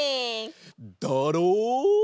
だろう？